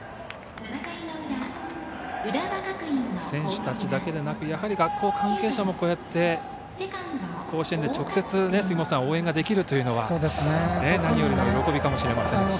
選手たちだけでなくやはり学校関係者もこうやって甲子園で直接応援ができるというのは何よりの喜びかもしれません。